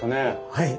はい。